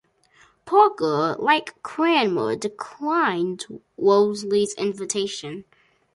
Parker, like Cranmer, declined Wolsey's invitation.